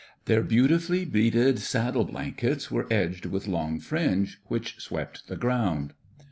Their beau tifully beaded saddle blankets were edged with long fringe which swept the ground.